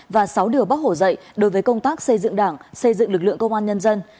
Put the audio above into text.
và sáu điều bác hồ dạy đối với công tác xây dựng đảng xây dựng lực lượng công an nhân dân